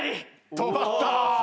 止まった。